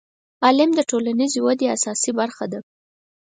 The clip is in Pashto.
• علم د ټولنیزې ودې اساسي برخه ده.